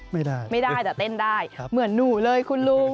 ไม่ได้ไม่ได้แต่เต้นได้เหมือนหนูเลยคุณลุง